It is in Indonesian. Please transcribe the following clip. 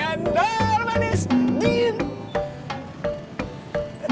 cendol manis dingin